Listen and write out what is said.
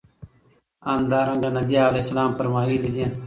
همدرانګه نبي عليه السلام فرمايلي دي